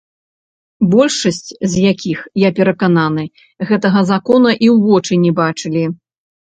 Большасць з якіх, я перакананы, гэтага закона і ў вочы не бачылі.